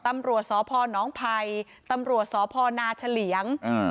ตำรวจสอพอน้องภัยตำรวจสอพอนาเฉลียงอืม